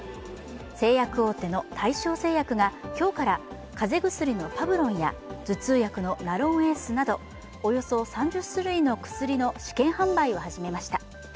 製薬大手の大正製薬が今日から風邪薬のパブロンや頭痛薬のナロンエースなどおよそ３０種類の薬の試験販売を始めました。